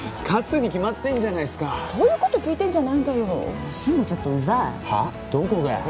勝つに決まってんじゃないすかそういうこと聞いてんじゃない慎吾ちょっとウザいはっどこが？